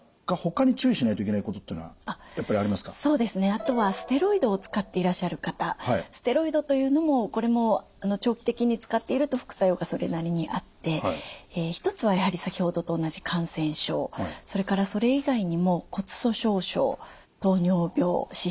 あとはステロイドを使っていらっしゃる方ステロイドというのもこれも長期的に使っていると副作用がそれなりにあって一つはやはり先ほどと同じ感染症それからそれ以外にも骨粗しょう症糖尿病脂質異常症高血圧